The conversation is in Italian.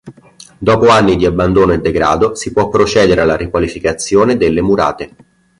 Dopo anni di abbandono e degrado si può procedere alla riqualificazione delle Murate.